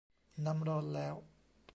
น้ำร้อนแล้ว